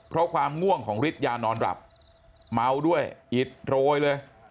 เพราะความง่วงของฤทธิยานอนหลับเมาด้วยอิดโรยเลย